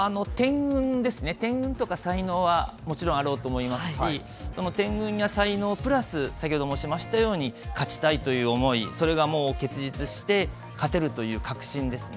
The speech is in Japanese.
天運とか才能はもちろんあると思いますしその天運や才能プラス先ほど申し上げましたように勝ちたいという思いそれが結実して勝てるという確信ですね。